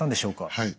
はい。